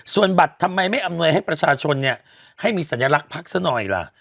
ส่วนบัตรทำไมไม่อำนวยให้ประชาชนเนี่ยให้มีสัญลักษณ์พักซะหน่อยล่ะ